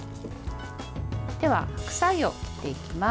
では、白菜を切っていきます。